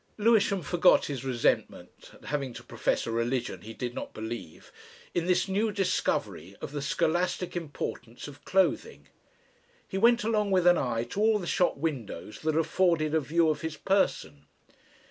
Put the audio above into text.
Lewisham forgot his resentment at having to profess a religion he did not believe, in this new discovery of the scholastic importance of clothing. He went along with an eye to all the shop windows that afforded a view of his person.